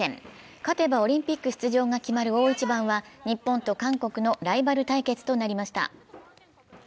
勝てばオリンピック出場が決まる大一番は、日本と韓国のライバル対決となりました。